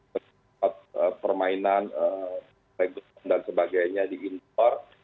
tempat permainan regut dan sebagainya di indoor